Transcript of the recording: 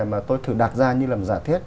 mà tôi thường đặt ra như là một giả thiết